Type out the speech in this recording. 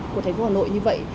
của thành phố hà nội như vậy